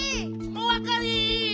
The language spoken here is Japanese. おわかり！